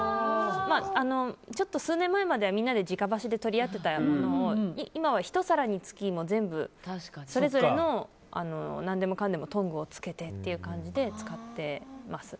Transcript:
ちょっと数年前までは直箸で取り合っていたものを今はひと皿につき全部それぞれの何でもかんでもトングをつけてって感じで使ってます。